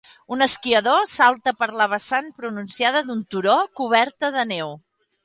Un esquiador salta per la vessant pronunciada d'un turó coberta de neu.